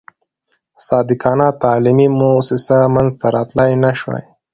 صادقانه تعلیمي موسسه منځته راتلای نه شوای.